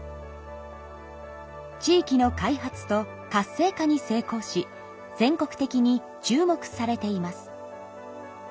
地域の開発と活性化に成功し全国的に注目されています。